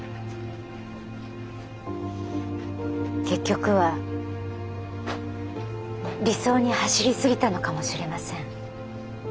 結局は理想に走り過ぎたのかもしれません。